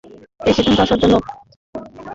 এই সিদ্ধান্তে আসার জন্যে শার্লক হোমস হতে হয় না।